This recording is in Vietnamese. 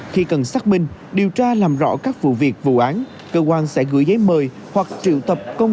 khi cần xác minh điều tra làm rõ các vụ việc vụ án cơ quan sẽ gửi giấy mời hoặc triệu tập công